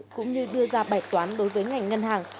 cũng như đưa ra bài toán đối với ngành ngân hàng